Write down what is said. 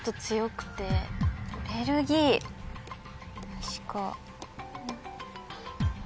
確か。